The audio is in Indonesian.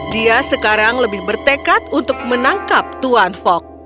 dia sekarang lebih bertekad untuk menangkap tuan fok